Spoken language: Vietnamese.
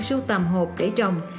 sưu tầm hộp để trồng